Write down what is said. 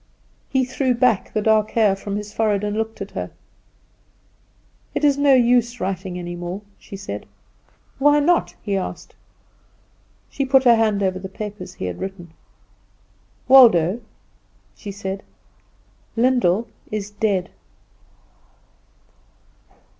He threw back the dark hair from his forehead and looked at her. "It is no use writing any more," she said. "Why not?" he asked. She put her hand over the papers he had written. "Waldo," she said, "Lyndall is dead."